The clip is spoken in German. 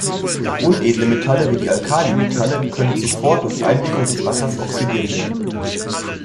Unedle Metalle wie die Alkalimetalle können zuvor durch Einwirkung des Wassers oxidiert werden.